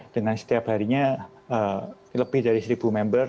dengan setiap harinya lebih dari seribu member